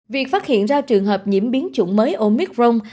việc phát hiện ra trường hợp nhiễm biến chủng mới omicron